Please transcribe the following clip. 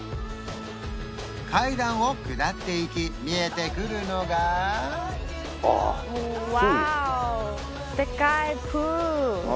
階段を下っていき見えてくるのがワーオ！